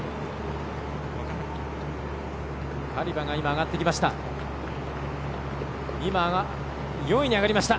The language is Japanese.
カリバ上がってきました。